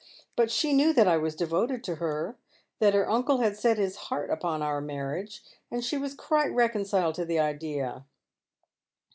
But she knew that I was devoted to her, that her uncle had set his heart upon our mamage, and she was quite reconciled to the idea."